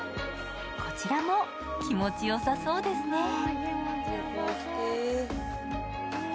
こちらも気持ちよさそうですね。